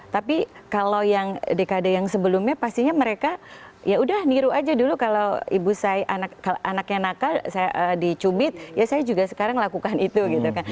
tapi kalau yang dekade yang sebelumnya pastinya mereka ya udah niru aja dulu kalau ibu saya anaknya nakal saya dicubit ya saya juga sekarang lakukan itu gitu kan